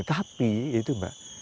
tapi itu mbak